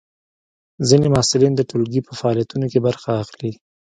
ځینې محصلین د ټولګي په فعالیتونو کې برخه اخلي.